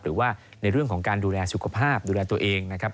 หรือว่าในเรื่องของการดูแลสุขภาพดูแลตัวเองนะครับ